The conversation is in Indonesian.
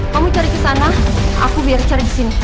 kau mau cari kesana aku biar cari kesini